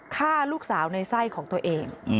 ฆ่าลูกสาวในไส้ของตัวเอง